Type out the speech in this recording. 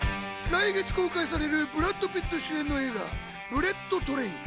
来月公開されるブラッド・ピット主演の映画『ブレット・トレイン』。